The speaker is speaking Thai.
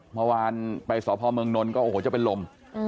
เมื่อวานไปสพเมืองนนท์ก็โอ้โหจะเป็นลม